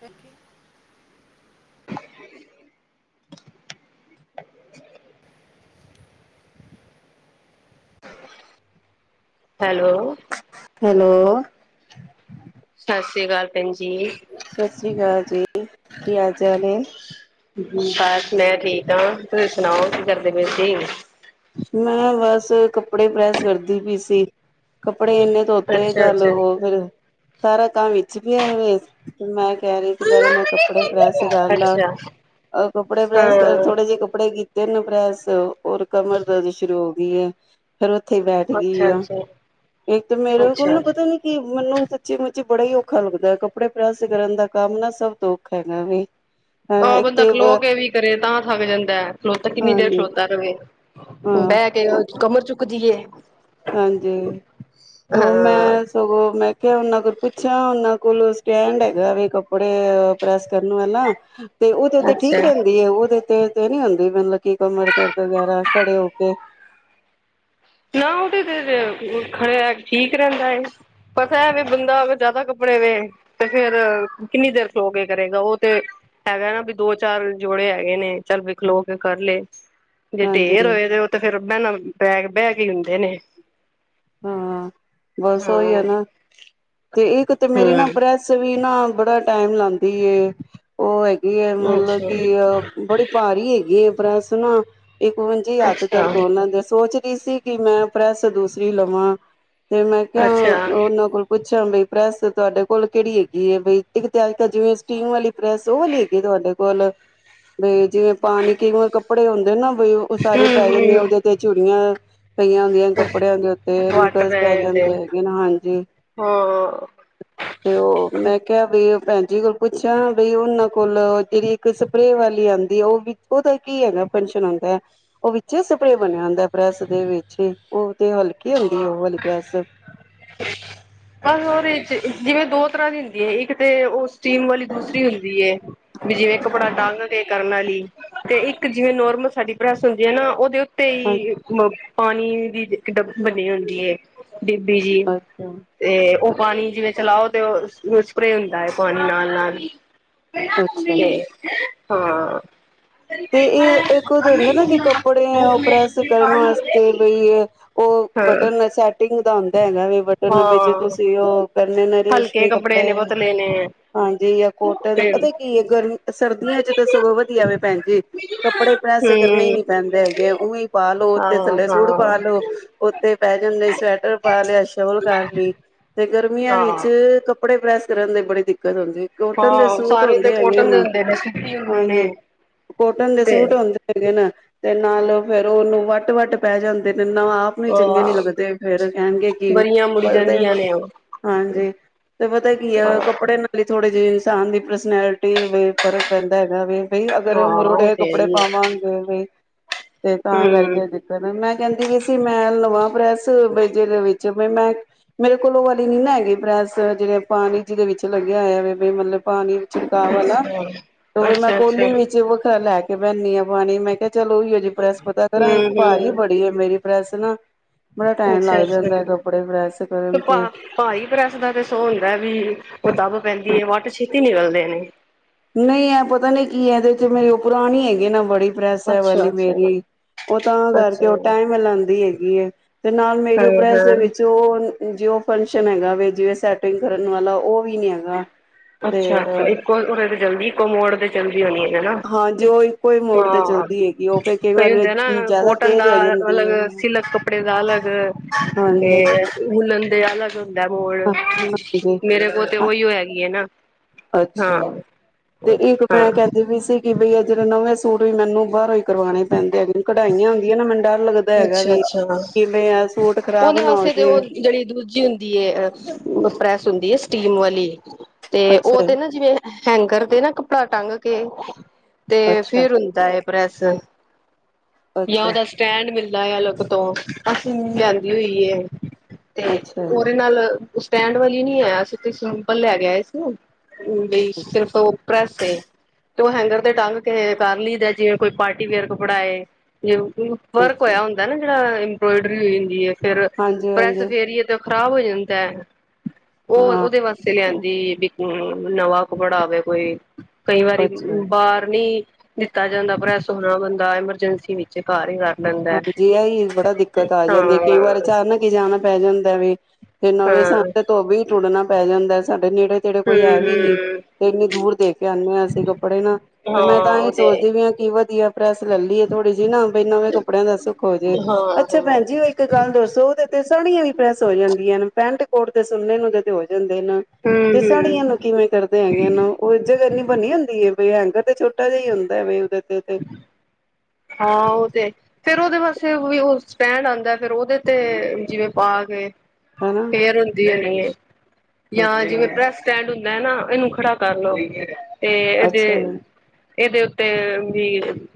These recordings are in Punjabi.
ਥੈਂਕ ਯੂ ਹੈਲੋ ਹੈਲੋ ਸਤਿ ਸ਼੍ਰੀ ਅਕਾਲ ਭੈਣ ਜੀ ਸਤਿ ਸ਼੍ਰੀ ਅਕਾਲ ਜੀ ਕੀ ਹਾਲ ਚਾਲ ਏ ਬਸ ਮੈਂ ਠੀਕ ਹਾਂ ਤੁਸੀਂ ਸੁਣਾਓ ਕੀ ਕਰਦੇ ਪ ਮੈਂ ਬਸ ਕੱਪੜੇ ਪ੍ਰੈਸ ਕਰਦੀ ਪਈ ਸੀ ਕੱਪੜੇ ਇੰਨੇ ਧੋਤੇ ਅੱਛਾ, ਕਲ ਅੱਛਾ, ਉਹ ਫਿਰ ਸਾਰਾ ਕੰਮ ਵਿੱਚ ਪੈਆ ਵ ਮੈਂ ਕਹਿ ਰਹੀ ਪਹਿਲੇ ਮੈਂ ਕੱਪੜੇ ਪ੍ਰੈਸ ਕਰ ਲਾ ਅੱਛਾ, ਕੱਪੜੇ ਪ੍ਰੈਸ ਕਰ ਹਾਂ, ਥੋੜੇ ਜਿਹੇ ਕੱਪੜੇੀਤੇ ਤੇ ਉਹ ਪ੍ਰੈਸ ਓਹ ਕਮਰ ਦਰਦ ਸ਼ੁਰੂ ਹੋ ਗਈ ਹੈ। ਫੇਿਰ ਉੱਥੇ ਬੈਠ ਗਈ ਅੱਛਾ, ਆ ਅੱਛਾ। ਇੱਕ ਤਾਂ ਮੇਰੇ ਕੋਲ ਅੱਛਾ, ਨਾ ਪਤਾ ਨੀ ਕੀ ਮੈਨੂੰ ਸੱਚੀ ਮੁੱਚੀ ਬੜਾ ਔਖਾ ਲੱਗਦਾ ਹੈ ਕੱਪੜੇ ਪ੍ਰੈਸ ਕਰਨ ਦਾ ਕੰਮ ਨਾ ਸਭ ਤੋਂ ਔਖਾ ਹੈਗਾ ਵੀ। ਆਹ ਬੰਦਾ ਖਲੋ ਕੇ ਵੀ ਕਰੇ ਤਾਂ ਥੱਕ ਜਾਂਦਾ ਖਲੋਤਾ ਕਿੰਨੀ ਦੇਰ ਹਾਂਜੀ ਖਲੋਤਾ ਰਵੈ ਹਾਂ। ਬਹਿ ਕੇ ਕਮਰ ਚੁੱਕਦੀਏ ਹਾਂਜੀ, ਤੋ ਮੈਂ ਸਗੋਂ, ਮੈਂ ਤੇ ਉਹਨਾਂ ਕੋਲ ਪੁੱਛਿਆ, ਉਹਨਾਂ ਕੋਲ ਸਟੈਂਡ ਹੈਗਾ ਵੀ, ਕੱਪੜੇ ਪ੍ਰੈਸ ਕਰਨ ਵਾਲਾ? ਤੇ ਉਹਦੇ ਉਤੇ ਠੀਕ ਅੱਛਾ। ਰਹਿੰਦੀ ਏ, ਉਹਦੇ ਤੇ, ਤੇ ਨੀ ਹੁੰਦੀ ਮਤਲਬ ਕੀ ਕਮਰ ਦਰਦ ਵਗੈਰਾ ਖੜੇ ਹੋ ਕੇ। [unintelligible] ਖੜੇ ਠੀਕ ਰਹਿੰਦਾ ਏ, ਪਤਾ ਹੈ ਵੀ ਬੰਦਾ ਜਿਆਦਾ ਕੱਪੜੇ ਵੇ। ਤੇ ਫੇਰ ਕਿੰਨੀ ਦੇਰ ਖਲੋ ਇਹ ਕਰੇਗਾ ਉਹ ਤੇ ਹੈਗਾ ਨਾ ਵੀ ਦੋ ਚਾਰ ਜੋੜੇ ਹੈਗੇ ਨੇ ਚੱਲ ਵਖਲੋ ਕੇ ਕਰ ਲਏ ਜੇ ਹਾਂਜੀ ਢੇਰ ਹੋਏ ਤੇ ਉਹ ਤੇ ਫ਼ਿਰ ਭੈ ਬੈਗ ਬਹਿਗ ਹੀ ਹੁੰਦੇ ਨੇ ਹਾਂ ਬਸ ਉਓਹੀ ਆ ਹਾਂ। ਨਾ ਤੇ ਇੱਕਤੇ ਮੇਰੀ ਨਾ ਹੂੰ ਪ੍ਰੈਸ ਸ ਵੀਨਾ ਬੜਾ ਟਾਈਮ ਲਾਦੀ ਉਹ ਹੈਗੀ ਹੈ ਮਤਲਬ ਅੱਛਾ ਕਿ ਬੜੀ ਭਾਰੀ ਹੈਗੀ ਹੈ ਪ੍ਰੈਸ ਨਾ ਇਹਵੰਜੀ ਹੱਥ ਦਰਦ ਅੱਛਾ ਹੋਣ ਲੱਗ ਗਿਆ ਸੋਚ ਰਹੀ ਸੀ ਕਿ ਮੈਂ ਪ੍ਰੈੱਸ ਦੂਸਰੀ ਲਵਾਂ ਤੇ ਮੈਂ ਕਿਹਾ ਅੱਛਾ ਉਹਨਾਂ ਕੋਲ ਪੁੱਛਾਂ ਬਈ ਪ੍ਰੈਸ ਤੁਹਾਡੇ ਕੋਲ ਕਿਹੜੀ ਹੈਗੀ ਹੈ ਬਈ ਇੱਕ ਤੇ ਅੱਜ ਕਲ ਜਿਵੇਂ ਸਟੀਮ ਵਾਲੀ ਪ੍ਰੈਸ ਓਹ ਵਾਲੀ ਹੈਗੀ ਤੁਹਾਡੇ ਕੋਲ ਬਈ ਜਿਵੇਂ ਪਾਣੀ ਕਈ ਵਾਰ ਕੱਪੜੇ ਹੁੰਦੇ ਨਾ ਬ ਉਹ ਸਾਰੇ ਹੂੰ ਪੈ ਜਾਂਦੇ ਆ ਹੂੰ। ਉਹਦੇ ਤੇ ਚੁੜੀਆਂ ਪਈਆਂ ਕੱਪੜਿਆਂ ਦੇ ਉੱਤੇ ਰਿੰਕਲਸ ਪੈ ਜਾਂਦੇ ਹੈਗੇ ਨੇ ਹਾਂਜੀ ਹਾਂ। ਤੇ ਓ, ਮੈਂ ਕਿਆ ਬਈ ਭੈਣ ਜੀ ਕੋਲ ਪੁੱਛਾਂ ਬਈ, ਉਹਨਾਂ ਕੋਲ ਜਿਹੜੀ ਇਕ ਸਪਰੇ ਵਾਲੀ ਆੰਦੀ ਉਹ ਵੀ, ਉਹਦਾ ਕੀ ਹੈਗਾ ਫਨਸ਼ਨ ਹੁੰਦੈ। ਉਹ ਵਿੱਚੇ ਸਪਰੇ ਬਨਿਆ ਹੁੰਦਾ ਪ੍ਰੈਸ ਦੇ ਵਿੱਚ, ਉਹ ਤੇ ਹਲਕੀ ਹੁੰਦੀ ਏ ਉਹ ਵਾਲੀ ਪ੍ਰੈਸ। ਬਸ ਹੋਰ ਜਿਵੇਂ ਦੋ ਤਰ੍ਹਾਂ ਦੀ ਹੁੰਦੀ ਹੈ ਇੱਕ ਤੇ ਉਸ [unintelligible] ਸਟੀਮ ਵਾਲੀ ਦੂਸਰੀ ਹੁੰਦੀ ਏ, ਵੀ ਜਿਵੇਂ ਕੱਪੜਾ ਟੰਗ ਕੇ ਕਰਨ ਆਲੀ। ਤੇ ਇੱਕ ਜਿਵੇਂ ਨੋਰਮਲ ਸਾਡੀ ਪੈ੍ਸ ਹੁੰਦੀ ਐ ਨਾ, ਉਹਦੇ ਉੱਤੇ ਹੀ ਪਾਣੀ ਦੀ ਬਨੀ ਹੁੰਦੀ ਏ, ਬੀਬੀ ਜੀ। ਅੱਛਾ ਤੇ ਉਹ ਪਾਣੀ ਜਿਵੇਂ ਚਲਾਓ ਤੇ ਉਹ, ਸਪਰੇ ਹੁੰਦਾ ਐ ਪਾਣੀ ਨਾਲ-ਨਾਲ। ਅੱਛਾ ਹਾਂ। ਤੇ ਇਹ ਇੱਕ ਉਹਦੇ ਹੁੰਦਾ ਨਾ ਕਿ, ਕੱਪੜੇ ਐਂ ਪ੍ਰੈਸ ਕਰਨ ਵਾਸਤੇ। ਬਈ, ਉਹ ਹਾਂ ਬਟਨ ਸੈਟਿੰਗ ਦਾ ਹੁੰਦਾ ਹੈਗਾ ਵੀ ਬਟਨ ਬਿਚ ਹਾਂ ਤੁਸੀਂ ਉਹ ਕਰਨਾ ਨਾਲ [inaudible] ਹਲਕੇ ਰੇਸ਼ਮੀ ਕੱਪੜੇ ਨੇ ਪਤਲੇ ਨੇ ਹਾਂਜੀ, ਆ ਕੋਟ ਦਾ ਤੇ ਪਤਾ ਕੀ ਐ ਗਰ ਸਰਦੀਆਂ ਚ ਤਾਂ ਸਗੋਂ ਵਧੀਆ ਵੀ ਪੈਣ। ਕੱਪੜੇ ਪ੍ਰੈਸ ਕਰਨੇ ਈਂ ਨੀ ਹਮ ਪੈਂਦੇ ਹੈਗੇ ਉਵੇਂ ਪਾ ਲੋ, ਤੇ ਥੱਲੇ ਹਾਂ ਸੂਟ ਪਾ ਲੋ। ਹਾਂ ਉੱਥੇ ਪੈ ਜਾਂਦੇ ਸਵੈਟਰ ਪਾ ਲਿਆ ਸ਼ੌਲ ਕਰ ਲਈ। ਤੇ ਗਰਮੀਆਂ ਵਿੱਚ, ਹਾਂ ਕੱਪੜੇ ਪ੍ਰੈਸ ਕਰਨ ਦੀ ਬੜੀ ਦਿੱਕਤ ਹੁੰਦੀ। ਕੋਟਨ ਦੇ ਹਾਂ ਸੂਟ ਸਾਰੇ ਤੇ ਹੁੰਦੇ ਹੈਗੇ ਕੋਟਨ ਦੇ ਨਾ, ਹੁੰਦੇ ਨੇ ਸੂਤੀ ਹੁੰਦੇ ਨੇ ਹਾਂਜੀ। ਕੋਟਨ ਦੇ ਤੇ ਸੂਟ ਆਉਂਦੇ ਹੈਗੇ ਨਾ, ਤੇ ਨਾਲ ਫੇਰ ਉਹਨੂੰ ਵੱਟ ਵੱਟ ਪੈ ਜਾਂਦੇਨੇ ਨਾ ਆਪ ਆਪ ਨੂੰ ਚੰਗੇ ਨੀ ਅ ਲੱਗਦੇ ਫੇਰ ਕਹਿਨ ਗੇ ਕਿ, ਬਰੀਆਂ ਮੁੜੀ ਪਤਾ ਜਾਂਦੀਆਂ ਨੇ ਉਹ ਹਾਂਜੀ, ਤੇ ਪਤਾ ਕੀ ਹਾਂ ਆ ਕੱਪੜੇ ਲਈ ਥੋੜੇ ਜਿਹੇ ਇਨਸਾਨ ਦੀ ਪਰਸਨੈਲਿਟੀ ਵੀ ਫਰਕ ਪੈਂਦਾ ਹੈਗਾ ਵੇ। ਬਈ ਹਾਂ ਅਗਰ ਉਹ ਮਰੋੜੇ ਤੇ ਹੈ ਕੱਪੜੇ ਹੀ ਹੈ ਪਾਵਾਂਗੇ ਵੀ, ਤੇ ਤਾਂ ਹਮ ਕਰਕੇ ਮੈਂ ਕਹਿੰਦੀ ਵੀ ਅਸੀ, ਮੈਂ ਲਵਾਂ ਪ੍ਰੈਸ ਵਿੱਚ ਵੀਚ ਮੈਂ ਮੇਰੇ ਕੋਲ ਉਹ ਵਾਲੀ ਨੀ ਨਾ ਹੈਗੀ ਪ੍ਰੈਸ, ਜਿਹੜੇ ਪਾਨੀ ਜਿਹਦੇ ਵਿੱਚ ਲੱਗਿਆ ਹੋਇਆ ਵੇ, ਮਤਲਬ ਪਾਨੀ ਛਿੜਕਾ ਵਾਲਾ, ਅੱਛਾ ਤੋਂ ਮੈ ਫਿਰ ਅੱਛਾ ਅੱਛਾ ਕੋਲੀ ਵਿੱਚ ਵੱਖਰਾ ਲੈ ਕੇ ਬੈਨੀਂ ਆ ਪਾਣੀ ਮੈਂ ਕਿਹਾ ਚਲ ਉਹੀਓ ਜਹੀ ਪ੍ਰੈਸ ਪਤਾ ਕਰਾਂ, ਇੱਕ ਹਮ ਭਾਰੀ ਹਮ ਬੜ ਮੇਰੀ ਪ੍ਰੈੱਸ ਨਾ, ਬੜਾ ਟਾਈਮ ਅੱਛਾ ਲੱਗ ਅੱਛਾ ਜਾਂਦਾ ਐ ਕੱਪੜੇ ਪ੍ਰੈਸ ਕਰਨ ਤੇ। ਭਾਰੀ ਪਰੈੱਸ ਦਾ ਤੇ ਸੋ ਹੁੰਦੈ ਵੀ, ਉਹ ਦੱਬ ਪੈਂਦੀ ਹੈ ਵੱਟ ਛੇਤੀ ਨੀਂ ਨਿਕਲਦੇ ਨੇ। ਨਹੀਂ ਐ ਪਤਾ ਨੀ ਕੀ ਐ ਇਹਦੇ ਵਿਚ, ਮੇਰੇ ਉਹ ਪੁਰਾਣੀ ਹੈਗੀਐ ਨਾ ਬੜੀ। ਪ੍ਰੈਸ ਐ ਅੱਛਾ ਵਾਲੀ ਅੱਛਾ ਮੇਰੀ, ਉਹ ਤਾਂ ਅੱਛਾ ਕਰਕੇ ਉਹ ਹਾਂ ਟਾਈਮ ਲਾਂਦੀ ਏਗੀ ਏ। ਤੇ ਨਾਲ ਮੇਰੀ ਉ ਪ੍ਰਰੈਸ ਦੇ ਹਾਂ ਵਿੱਚ ਉਹ ਜੇ ਉਹ ਫੰਕਸ਼ਨ ਹੈਗਾ ਵੇ ਜਿਵੇਂ ਸੈਟਿੰਗ ਕਰਨ ਵਾਲਾ ਉਹ ਵੀ ਨੀ ਹੈਗਾ। ਤੇ ਅੱਛਾ- ਅੱਛਾ ਇਕੋਰੇ ਤੇ ਜਲਦੀ ਇਕੋ ਮੋੜ ਦੇ [unintelligible] ਚਲਦੀ ਹੋਣੀ ਏ ਹਨਾਂ, ਹਾਂ ਜੋ ਇੱਕੋ ਹੀ ਮੋੜ ਤੇ ਹਾਂ, ਚੱਲਦੀ ਹੈਗੀ ਉਹ ਫਿਰ ਕਈ ਵਾਰ ਹੁੰਦੇ ਨਾ ਜ਼ਿਆਦਾ ਕੋਟ ਸਾਟਣ ਦਾ ਤੇਜ਼ ਹੋ ਜਾਂਦੀ ਅਲਗ, ਹੈ ਸਿਲਕ ਕਪੜੇ ਦਾ ਅਲਗ, ਤੇ ਹਾਂਜੀ ਵੁਲਣ ਦੇ ਅਲਗ ਹੁੰਦਾ ਮੋੜ ਹਾਂ ਹਾਂਜੀ ਮੇਰੇ ਕੋਲ ਤੇ ਉਹੀ ਹੋ ਹੈਗੀ ਹੈ। ਨਾ ਅਛਾ ਹਾਂ ਤੇ ਇਕ ਹਾਂ ਮੈ ਕਹਿੰਦੀ ਵੀ ਸੀ ਬਈ ਅ ਜਿ ਨਵੇ ਸੂਟ ਵੀ ਮੈਨੂੰ ਬਾਹਰੋ ਹੀ ਕਰਵਾਉਣੇ ਪੈਂਦੇ ਆ ਕਢਾਈਆ ਹੋਦੀਆਂ ਨਾ ਮੈਨੂੰ ਡਰ ਲਗਦਾ ਹੈਗਾ ਅੱਛਾ ਵੀ ਅੱਛਾ ਕਿਵੇ ਆ ਸੂਟ ਖਰਾਬ ਨਾ ਹੋ ਜਾਏ। ਜੇੜੀ ਦੂਜੀ ਹੁੰ ਦੀਐ, ਪ੍ਰੈਸ ਹੂੰਦੀ ਐ ਸਟੀਮ ਵਾਲੀ, ਤੇ ਉਹ ਅੱਛਾ ਤੇ ਜੀ, ਨਾ ਜਿਵੇ ਹੈਂਗਰ ਦੇ ਨਾ ਕੱਪੜਾ ਟੰਗ ਕੇ, ਤੇ ਅੱਛਾ ਫਿਰ ਹੁੰਦਾ ਐ ਪ੍ਰੈੱਸ। ਅੱਛਾ ਯਾਂ ਅੱਛਾ ਉਹਦਾ ਸਟੈਂਡ ਮਿਲਦਾ ਏ ਅਲਗ ਤੋਂ, ਅਸੀ ਨ ਹੋਈ ਹੈ ਤੇ ਅੱਛਾ ਉਹਦੇ ਨਾਲ [unintelligible] ਸਟੈਂਡ ਵਾਲੀ ਨੀ ਐ, ਸਿੱਦੀ ਸਿੰਪਲ ਲੈ ਕੇ ਆਏ ਸੀ, ਬਈ ਸਿਰਫ ਉਹ ਪਰੈਸ ਏ। ਤੇ ਉਹ ਹੈਂਗਰ ਤੇ ਟੰਗ ਕੇ ਕਰ ਲਈਦੈ, ਜਿਵੇਂ ਕੋਈ ਪਾਰਟੀ ਵੇਅਰ ਕੱਪੜਾ ਏ। ਜ ਵਰਕ ਅੱਛਾ, ਹੋਇਆ ਹੁੰਦਾ ਨਾ ਜਿਹੜਾ ਇੰਬਰੌਇਡਰੀ ਹੋਈ ਹੁੰਦੀ ਏ ਫੇਰ, ਹਾਂਜੀ ਪ੍ਰੈਸ ਹਾਂਜੀ ਫੇਰੀਏ ਖਰਾਬ ਹੋ ਜਾਂਦੈ, ਉਹ ਹਾਂ ਉਹਦੇ ਵਾਸਤੇ ਠੀਕ ਹੈ, ਲਿਆਂਦੀ, ਨਵਾ ਬੜਾਵੇ ਕੋਈ ਕਈ ਵਾਰੀ ਅੱਛਾ ਬਾਹਰ ਨਹੀ ਦਿਤਾ ਜਾਦਾ ਪ੍ਰੈਸ ਹੋਣਾ ਬੰਦਾ ਤਾ ਐਮਰਜੈਸੀ ਵਿਚ ਘਰ ਹੀ ਕਰ ਲੈਦਾ ਹੈ। ਹਾਂਜੀ ਹਾ- ਨਾ ਕੀ ਜਾਣਾ ਪੈ ਜਾਂਦਾ ਵੇ ਤੇ ਨਵੇ ਹਾਂ ਸਾਡੇ ਧੋਬੀ ਵੀ ਡੁਡਣਾ ਪੈ ਜਾਦਾ ਸਾਡੇ ਨੇੜੇ ਤੇੜੇ ਹੂੰ ਕੋਈ ਹੈ ਵੀ ਨੀ ਹੂੰ ਤੇ ਇਨੀ ਦੂਰ ਦੇ ਕੇ ਆਉਦੇ ਹਾ ਅਸੀ ਕੱਪੜੇ ਨਾਲ ਹਾਂ ਤੇ ਮੈ ਤਾਂਹੀ ਉਹ ਤੇ ਸੋਚਦੀ ਵੀ ਹੈ ਹਾ ਕੀ ਵਧੀਆ ਪ੍ਰੈਸ ਲੈ ਲਈਏ ਥੋੜੀ ਜਿਹੀ ਨਾ ਬਾਈ ਇਹ ਨਵੇ ਕੱਪੜਿਆਂ ਦਾ ਸੁੱਖ ਹੋ ਜਾਏ ਹਾਂ ਹਾਂ ਅੱਛਾ ਹਮ ਭੈਣ ਜੀ ਇਕ ਗਲ ਦਸੋ ਉਹਦੇ ਤੇ ਸਾੜੀਆ ਵੀ ਪ੍ਰੈਸ ਹੋ ਜਾਦੀਆ ਨੇ ਪੈਂਟ ਕੋਟ ਤੇ ਸੁਨੇ ਨੂੰ ਤੇ ਹੋ ਜਾਦੇ ਨੇ ਤੇ ਹਮ ਸਾੜਿਆ ਨੂੰ। ਕਿਵੇ ਕਰਦੇ ਹੈਗੇ ਨਾ ਉਹ ਜਗਾ ਬਣੀ ਹੁੰਦੀ ਹੈ। ਬਾਈ ਹੈਂਗਰ ਤੇ ਛੋਟਾ ਜਿਹਾ ਹੀ ਹੁੰਦਾ ਹੈ। ਉਹਦੇ ਤੇ [inaudible] ਹਾਂ ਉਹ ਤੇ- ਫੇਰ ਉਹਦੇ ਵਾਸਤੇ ਵੀ ਉਹ ਸਟੈਂਡ ਆਉਦਾ ਫੇਰ ਉਹਦੇ ਤੇ ਜਿਵੇ ਪਾ ਕੇ ਹਨਾ- ਹੁੰਦੀ ਹੋਣੀ ਏ ਜਾ ਜਿਵੇ ਅੱਛਾ ਪ੍ਰੈਸ ਸਟੈਂਡ ਹੁੰਦਾ ਹੈ ਨਾ ਇਹਨੂੰ ਖੜਾ ਕਰ ਲਓ ਤੇ ਅੱਛਾ ਇਹਦੇ- ਇਹਦੇ ਉਤੇ ਵੀ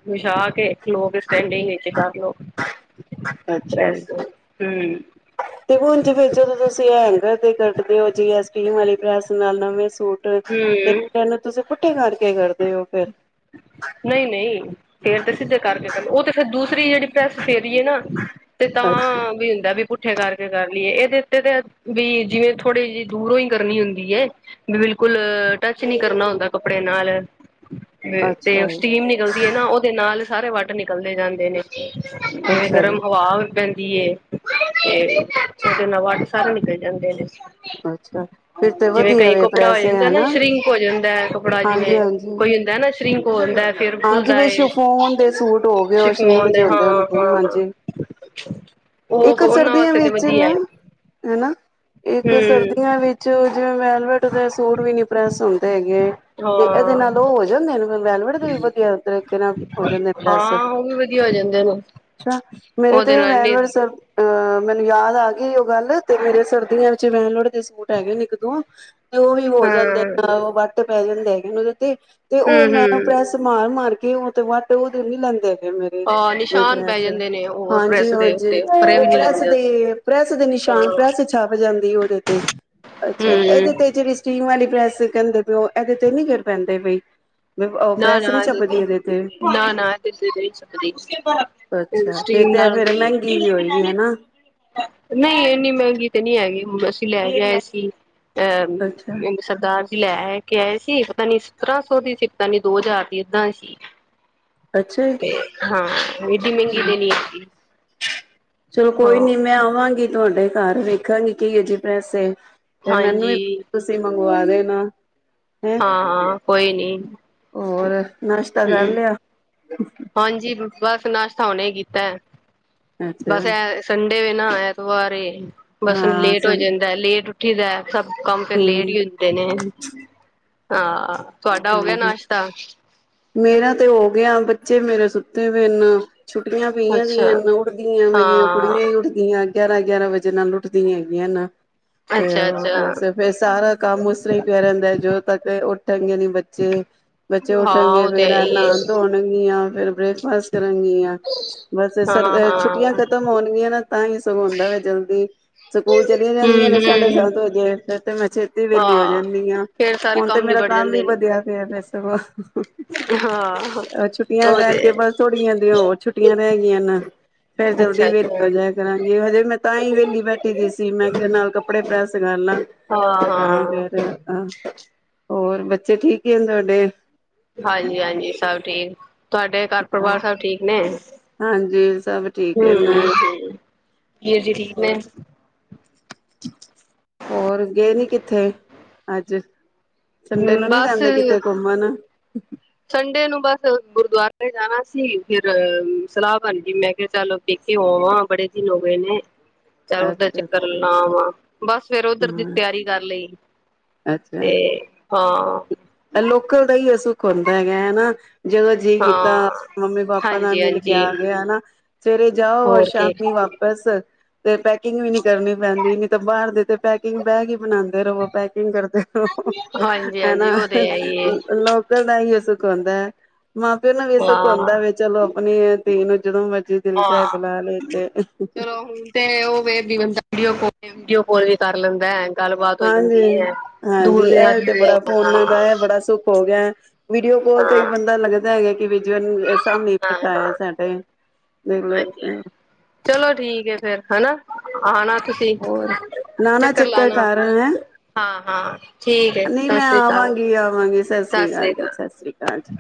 ਵਿਛਾ ਕੇ ਖਲੋ ਕੇ ਸਟੈਂਡਿੰਗ ਵਿੱਚ ਕਰ ਲਓ ਅੱਛਾ ਜੀ। ਪ੍ਰੈਸ ਤੇ ਹੁਣ ਜਵੇ ਜਦੋ ਤੁਸੀ ਹੈਗਰ ਤੇ ਕਰਦੇ ਹੋ ਜੀ ਐ ਸਟੀਮ ਵਾਲੀ ਪ੍ਰੈਸ ਨਾਲ ਨਵੇ ਸੂਟ ਹਮ ਪਹਿਲੇ ਤੁਸੀ ਪੁੱਠੇ ਕਰਕੇ ਕਰਦੇ ਹੋ ਫੇਰ ਨਹੀ -ਨਹੀ ਫਿਰ ਤੇ ਸਿਧੇ ਕਰਕੇ ਕਰਨ ਉਹ ਤੇ ਫਿਰ ਦੂਸਰੀ ਜਿਹੜੀ ਪ੍ਰੈਸ ਫੇਰੀਏ ਨਾ ਤੇ ਤਾਂ ਅੱਛਾ। ਵੀ ਹੁੰਦਾ ਵੀ ਪੁਠੇ ਕਰਕੇ ਕਰ ਲਈਏ ਇਹਦੇ ਉਤੇ ਤੇ ਵੀ ਜਿਵੇ ਥੋੜ੍ਹੀ ਜਿਹੀ ਦੂਰੋ ਹੀ ਕਰਨੀ ਹੁੰਦੀ ਹੇ ਬਿਲਕੁਲ ਟੱਚ ਨਹੀ ਕਰਨਾ ਹੁੰਦਾ ਕੱਪੜੇ ਨਾਲ ਤੇ ਅੱਛਾ ਜੀ, ਸਟੀਮ ਨਿਕਲਦੀ ਹੈ ਨਾ ਉਹਦੇ ਨਾਲ ਸਾਰੇ ਵਾਟ ਨਿਕਲਦੇ ਜਾਦੇ ਨੇ ਜਿਵੇ ਅੱਛਾ ਜੀ, ਗਰਮ ਹਵਾ ਪੈਦੀ ਏ ਤੇ ਉਹਦੇ ਨਾਲ ਵਟ ਸਾਰੇ ਨਿਕਲ ਜਾਦੇ ਨੇ ਅੱਛਾ। ਫਿਰ ਤੇ ਜਿਵੇ ਵਧੀਆ ਕਈ ਵੇ ਕੱਪੜਾ ਹੋ ਪ੍ਰੈਸ ਜਾਦਾ ਨਾ ਹੈਨਾ ਸ਼੍ਰੀਕ ਹੋ ਜਾਦਾ ਹੈ। ਕੱਪੜਾ ਜਿਵੇ ਹਾਂਜੀ-ਹਾਂਜੀ। ਹੁੰਦਾ ਨਾ ਸ਼੍ਰੀਕ ਹੋੰਦਾ ਹਾਂ ਜੀਵੇ ਸ਼ਫੋਨ ਦੇ ਸੂਟ ਹੋ ਗਏ ਉਹ ਸ਼੍ਰੀਂਕ ਸ਼ਿਫੋਨ ਦੇ ਹਾਂ ਹੁੰਦੇ ਉਹ ਹਾਂ ਹਾਂਜੀ ਉਹ ਇਕ ਉਹਨਾਂ ਸਰਦੀਆ ਵਾਸਤੇ ਤੇ ਵਿਚ ਵਧੀਆ ਨਾ ਹੈ। ਹਨਾ ਇਕ ਹੂੰ ਸਰਦੀਆਂ ਵਿਚ ਜਿਵੇ ਵੈਲਵਟ ਸੂਟ ਵੀ ਨੀ ਪ੍ਰੈਸ ਹੁਦੇ ਹੈਗੇ ਤੇ ਇਹਦੇ ਹਾਂ ਨਾਲ ਉਹ ਹੋ ਜਾਦੇ ਨੇ ਵੈਲਵਡ ਦੇ ਵੀ [unintelligible] ਹੋ ਜਾਦੇ ਪ੍ਰੈਸ ਹਾਂ ਉਹ ਵੀ ਵਧੀਆ ਹੋ ਜਾਂਦੇ ਨੇ ਅੱਛਾ ਮੇਰੇ ਤੇ ਉਹਦੇ ਇਹ ਨਾਲ ਨੀ ਵੈਲਵਟ ਸਬ ਅਹ ਮੈਨੂੰ ਯਾਦ ਆ ਗਈ ਉਹ ਗੱਲ ਤੇ ਮੇਰੇ ਸਰਦੀਆਂ ਵਿੱਚ ਵੈਂਲ ਲੋੜ ਦੇ ਸੂਟ ਹੈਗੇ ਨ ਇੱਕ ਦੋਂ ਤੇ ਉਹ ਵੀ ਹੋ ਹਾਂ ਜਾਂਦੇ ਵੱਟ ਪੈ ਜਾਂਦੇ ਹੈਗੇਦੇ ਤੇ ਹੂੰ ਉਹ ਮੈਂ ਹੂੰ ਪ੍ਰੈਸ ਸ ਮਾਰ ਮਾਰ ਕੇ ਉਹ ਤੇ ਵੱਟ ਉਹ ਦਿਨ ਨੀ ਲੈਂਦੇ ਮੇਰੇ। ਹਾਂ ਕੋਈ ਨਿਸ਼ਾਨ ਪੈ ਪ੍ਰੈਸ ਜਾਂਦੇ ਨੇ ਹੋਰ ਹਾਂਜੀ ਪ੍ਰੈਸ ਦੇ ਹਾਂਜੀ ਉੱਤੇ ਪਰੇ ਉਹ ਵੀ ਨੀ ਪ੍ਰੈਸ ਲੱਗਦੇ ਉਹਦੇ ਦੀ ਪ੍ਰੈਸ ਦੇ ਨਿਸ਼ਾਨ ਹਾਂ ਪ੍ਰੈਸ ਛਾਪ ਜਾਂਦੀ ਉਹਦੇ ਤੇ ਅੱਛਾ ਹੂੰ ਇਹਦੇ ਤੇ ਜਿਹੜੀ ਸਟੀਮ ਵਾਲੀ ਪ੍ਰੈਸ ਕਹਿੰਦੇ ਪਓ ਇਹਦੇ ਤੇ ਨੀ ਗਿਰ ਪੈਂਦੇ ਬਈ। ਨਾ ਨਾ ਤੇ ਤੂੰ ਨਾ ਨਾ ਇਹਦੇ ਤੇ ਨਹੀ ਛਪਦੀ ਇਹ ਅੱਛਾ ਫੇਰ ਸਟੀਮ ਤੇ ਨਾਲ ਫੇਰ ਨਹੀਂ ਮਹਿੰਗੀ ਵੀ ਹੋਏਗੀ ਹਨਾ ਇੰਨੀ ਮਹਿੰਗੀ ਤੇ ਨਹੀਂ ਹੈਗੀ ਹ ਅਸੀਂ ਲੈ ਕੇ ਆਏ ਸੀ ਅੱਛਾ, ਅਹ ਸਰਦਾਰ ਜੀ ਲੈ ਕੇ ਆਏ ਸੀ ਪਤਾ ਨੀ ਸਤਰਾਂ ਸੌ ਦੀ ਸੀ। ਪਤਾ ਨੀ ਦੋ ਹਜਾਰ ਏਦਾਂ ਸੀ ਤੇ ਹਾਂ। ਏਡੀ ਮਹਿੰਗੀ ਹਾ ਤੇ ਨਹੀਂ ਹੈਗੀ ਚਲੋ ਕੋਈ ਹਾਂ ਨੀ ਮੈ ਆਵਾਗੀ। ਤੁਹਾਡੇ ਘਰ ਵੇਖਾਂਗੀ ਕੀਏ ਜੀ ਪੈਸੇ ਫੇਰ ਮੈਨੂੰ ਵੀ ਹਾਂਜੀ ਤੁਸੀ ਮੰਗਵਾ ਦੇਣਾ ਹਾਂ ਕੋਈ ਨੀ ਹੋਰ ਨਾਸ਼ਤਾ ਕਰ ਹਮ ਲਿਆ। ਹਾਂਜੀ ਬਸ ਨਸ਼ਤਾ ਉਹਨੇ ਕੀਤਾ ਅੱਛਾ ਬਸ ਐ ਸੰਡੇ ਨਾ ਐਤਵਾਰ ਏ ਬਸ ਹਾਂ, ਲੇਟ ਹੋ ਸਾਨੂੰ ਜਾਂਦਾ ਲੇਟ ਉੱਠੀ ਦਾ। ਸਭ ਕੰਮ ਫੇਿਰ ਲੇਟ ਹੂੰ ਹੀਈ ਹੁੰਦੇ ਨੇ ਹਾਂ ਤੁਹਾਡਾ ਹੋ ਗਿਆ ਹਾਂਜੀ। ਨਾਸ਼ਤਾ? ਮੇਰਾ ਤੇ ਹੋ ਗਿਆ ਬੱਚੇ ਮੇਰੇ ਸੁੱਤੇ ਪਨ। ਛੁੱਟੀਆਂ ਪਈਆਂ ਅੱਛਾ ਦੀਆਂ ਉੱਠਦੀਆਂ ਮੇਰੀਆਂ ਹਾਂ ਕੁੜੀਆਂ ਹੀ ਉੱਠ ਦੀਆਂ। ਗਿਆਰਾਂ ਗਿਆਰਾਂ ਵਜੇ ਨਾਲ ਉਠਦੀਆਂ ਹੈਗੀਆਂ ਨਾ ਤੇ ਅੱਛਾ ਉਹ ਅੱਛਾ ਬਸ। ਫ ਸਾਰਾ ਕੰਮ ਉਸ ਤਰ੍ਹਾਂ ਹੀ ਪਿਆ ਰਹਿੰਦਾ ਹੈ ਜਦੋਂ ਤੱਕ ਉੱਠਣਗੇ ਨੀ ਬੱਚੇ। ਬੱਚੇ ਹਾਂ ਉੱਠਣਗੇ ਉਹ ਤੇ ਫੇਰ ਹੈ ਹੀ ਏ ਨਹਾਾਨ ਧੋਣ ਗੀਆ ਫੇਿਰ ਬ੍ਰੇਕਫਾਸਟ ਕਰਨਗੀਆਂ। ਵੈਸੈ ਹਾਂ ਸਰ ਛੁੱਟੀਆਂ ਹਾਂ ਖਤਮ। ਹੁੰਦੀਆ ਨਾ ਤਾਂ ਹੀ ਸਾਉਂ ਹੂਦਾ ਵ ਜਲਦੀ ਸਕੂਲ ਚਲੀਆਂ ਹੂੰ ਜਾਂਦੀਆਂ ਨੇ ਸਾਢੇ ਹੂੰ ਸੱਤ ਵਜੇ ਫੇਰ ਤੇ ਮੈਂ ਛੇਤੀ ਵਹਲੀ ਹੋ ਹਾਂ ਜਾਂਦੀ ਹਾਂ ਫੇਰ ਸਾਰੇ ਹੁਣ ਤੇ ਮੇਰਾ ਨਿਬੜ ਕੰਮ ਵੀ ਜਾਂਦੇ ਵਧਆ ਨੇ ਪਿਆ ਵੈਸ ਹਾਂ ਛੁੱਟੀਆਂ ਉਹ ਤੇ ਕਰਕੇ ਬਸ ਥੋੜੀਆਂ ਦੀ ਹੋਰ ਛੁੱਟੀਆਂ ਰਹਿ ਗਈਆਂ ਨਾ। ਫੇਰ ਜਲਦੀ ਅੱਛਾ ਵਿਹਲੀ ਅੱਛਾ ਹਾਂ ਹੋ ਜਇ ਕਰਾਂਗੀ ਹਜੇ ਮੈਂ ਤਾਂ ਹੀ ਵਿਹਲੀ ਬੈਠੀ ਦੀ ਸੀ ਮੈਂ ਕਿਹਾ ਨਾਲ ਕੱਪੜੇ ਪੈਸ ਕਰ ਲਾ। ਤਾਂ ਹਾਂ ਫੇਰ ਹੋਰ ਬੱਚੇ ਠੀਕ ਹੀ ਆ ਤੁਹਾਡੇ? ਹਾਂਜੀ ਹਾਂਜੀ ਸਭ ਠੀਕ ਤੁਹਾਡੇ ਘਰ ਪਰਿਵਾਰ ਸਭ ਠੀਕ ਨੇ? ਹਾਂਜੀ ਸਭ ਠੀਕ ਹੈ ਨਾ ਹਮ ਜੇਠ ਜੀ ਠੀਕ ਨੇ ਹੋਰ ਹੋਰ ਗਏ ਨੀ ਕਿੱਥੇ ਅੱਜ ਸਨਡੇਅ ਨੂੰ ਨੀ ਬਸ ਜਾਂਦੇ ਕਿੱਥੇ ਘੁੰਮਣ? ਸੰਡੇ ਨੂੰ ਬਸ ਗੁਰਦੁਆਰੇ ਜਾਣਾ ਸੀ ਫਿਰ ਸਲਾਹ ਬਣ ਗਈ ਮੈਂ ਕਿਹਾ ਚੱਲ ਫਿਰ ਹੋ ਆਵਾਂ ਬੜੇ ਦਿਨ ਹੋ ਗਏ ਨੇ। ਚੱਲ ਓਧਰ ਅੱਛਾ ਚੱਕਰ ਅੱਛਾ ਲਾ ਵਾਂ ਬਸ ਫੇਿਰ ਉਧਰ ਦੀ ਹਾਂ ਤਿਆਰੀ ਕਰ ਲਈ। ਅੱਛਾ। ਤੇ ਹਾਂ। ਲੋਕਲ ਦਾ ਹੀ ਇਹਸ ਸੁੱਖ ਹੁੰਦਾ ਹੈਗਾ ਹਨਾ। ਜਦੋ ਜੀਅ ਕੀਤਾ ਹਾਂ ਮੰਮੀ ਪਾਪਾ ਨਾਲ ਹਾਂਜੀ ਮਿਲ ਕੇ ਹਾਂਜੀ ਆ ਗਿਆ ਹਨਾ। ਸਵੇਰੇ ਜਾਓ ਰ ਹੋਰ ਕੀ ਸ਼ਾਮੀ ਵਾਪਿਸ ਤੇ ਪੈਕਿੰਗ ਵੀ ਨੀ ਕਰਨੀ ਪੈਂਦੀ ਨਹੀਂ ਤਾਂ ਬਾਹਰ ਦੇ ਤੇ ਪੈਕਿੰਗ ਬਾਗ ਹੀ ਬਣਾਉਂਦੇ ਰਵੋ ਪੈਕਿੰਗ ਕਰਦੇ। ਹਾਂਜੀ ਹਾਂਜੀ ਹਨਾ ਉਹ ਤੇ ਹੈ ਹੀ ਏ ਲੋਕਲ ਦਾ ਇਹੀਓ ਸੁਖ ਹਉਂਦਾ ਹੈ। ਮਾਂ ਪਿਓ ਨੂੰ ਵੀੇਸਖ ਹਾਂ ਹੁੰਦਾ ਵ ਚਲੋ ਆਪਣੀ ਧੀ ਨੂੰ ਜਦੋਂ ਮਰਜੀੀ ਦਿਲ ਹਾਂ ਚਾਹਏ ਬੁਲਾ ਲ ਤੇ ਇਹ ਓ ਵੈ ਜੀਵੇ ਵੀਡੀਓ ਕਾਲ ਵੀ ਕਰ ਲੈਂਦਾ ਹੈ। ਗੱਲਬਾਤ ਹੋ ਹਾਂਜੀ ਜਾਂਦੀ ਹੈ ਦੂਰ ਹਾਂਜੀ ਦੇ ਇਹ ਆਦਮੀ ਤੇ ਦੇ ਬੜਾ ਫੋਨਾਂ ਹਾਂ ਦਾ ਇਹ ਬੜਾ ਸੁੱਖ ਹੋ ਗਿਆ ਹੈ। ਵੀਡੀਓ ਕਾਲ ਤੇ ਹਾਂ ਵੀ ਬੰਦਾ ਲੱਗ਼ਦਾ ਇਹ ਹੈਗਾ ਕਿ ਬਿਜਵਨ ਸਮਨੇ ਹਾਂ ਹਾਂ ਬੈਠਾਆ ਸਾਡੇ ਦੇਖਲ ਹਾਂਜੀ ਹਾਂਜੀ ਚਲੋ ਠੀਕ ਹੈ ਫੇਿਰ ਹੈਨਾ ਆਣਾ ਤੁਸੀਂ ਹੋਰ ਚੱਕਰ ਲਾਣਾ। ਘਰ ਹੈਂ। ਹਾਂ ਹਾਂ। ਠੀਕ ਹੈ ਨਹੀਂ ਸਤਿ ਮੈਂ ਸ੍ਰੀ ਅਕਾਲ ਆਵਾਂਗੀ ਆਵਾਂਗੀ ਸਤਿ ਸ਼੍ਰੀ ਅਕਾਲ ਜੀ ਸਤਿ ਸ਼੍ਰੀ ਅਕਾਲ ਜੀ।